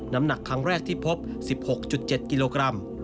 น้ำหนักครั้งแรกที่พบ๑๖๗กิโลกรัม